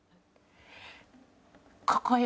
ここよ。